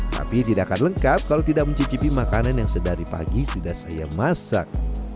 tapi tidak akan lengkap kalau tidak mencicipi makanan yang sedari pagi sudah saya masak